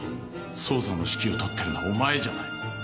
捜査の指揮をとってるのはお前じゃない。